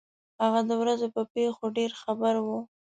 هغه د ورځې په پېښو ډېر خبر وو.